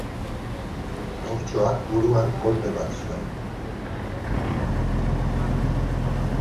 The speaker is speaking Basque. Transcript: Haurtxoak buruan kolpe bat zuen.